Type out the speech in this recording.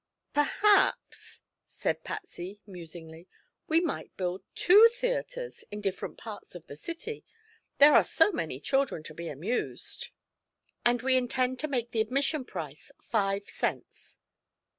"Perhaps," said Patsy musingly, "we might build two theatres, in different parts of the city. There are so many children to be amused. And we intend to make the admission price five cents."